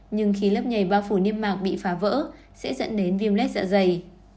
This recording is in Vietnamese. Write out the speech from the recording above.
nhưng khi lớp nhảy ba phủ niêm mạc bị phá vỡ sẽ dẫn đến viêm lét dạ dày